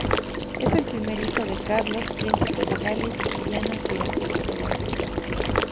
Es el primer hijo de Carlos, príncipe de Gales, y Diana, princesa de Gales.